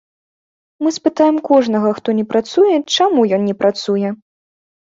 Мы спытаем кожнага, хто не працуе, чаму ён не працуе.